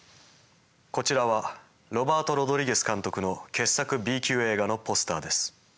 こちらはロバート・ロドリゲス監督の傑作Ｂ級映画のポスターです。